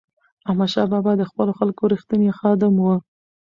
احمدشاه بابا د خپلو خلکو رښتینی خادم و.